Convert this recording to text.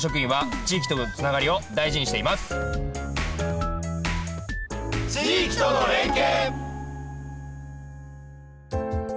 「地域との連携」。